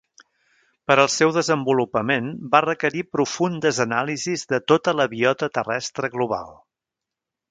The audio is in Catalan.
Per al seu desenvolupament va requerir profundes anàlisis de tota la biota terrestre global.